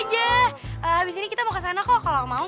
yaudah oke kita dukung juga kalau gitu